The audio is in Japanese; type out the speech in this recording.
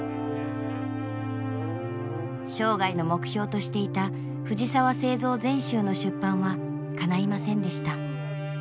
生涯の目標としていた藤澤造全集の出版はかないませんでした。